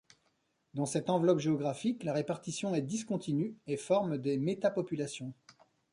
Dans cette enveloppe géographique, la répartition est discontinue et forme des métapopulations.